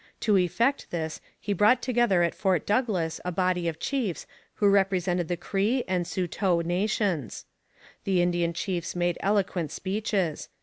To effect this he brought together at Fort Douglas a body of chiefs who represented the Cree and Saulteaux nations. The Indian chiefs made eloquent speeches.